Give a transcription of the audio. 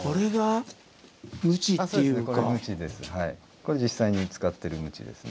これ実際に使ってるムチですね。